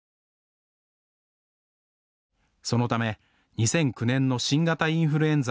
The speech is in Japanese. そのため２００９年の新型インフルエンザ